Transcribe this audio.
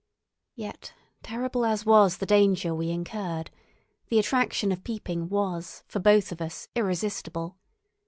Yet terrible as was the danger we incurred, the attraction of peeping was for both of us irresistible.